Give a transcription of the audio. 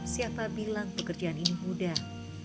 siapa bilang pekerjaan ini mudah